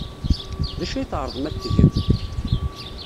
D acu ay tɛerḍem ad t-tgem?